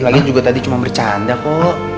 lagi tadi juga cuma bercanda kok